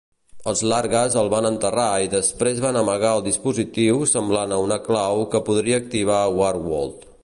Els Largas el van enterrar i després van amagar el dispositiu semblant a una clau que podria activar Warworld.